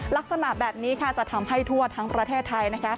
ลักษณะแบบนี้จะทำให้ทั่วทั้งประเทศไทย